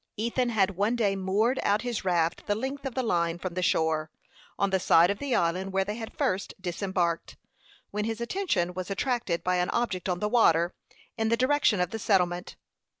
Ethan had one day moored out his raft the length of the line from the shore, on the side of the island where they had first disembarked, when his attention was attracted by an object on the water, in the direction of the settlement.